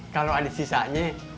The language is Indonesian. kalau ada sisanya